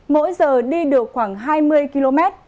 mỗi giờ đi được khoảng hai mươi km